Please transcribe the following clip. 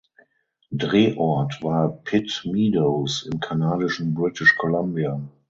Drehort war Pitt Meadows im kanadischen British Columbia.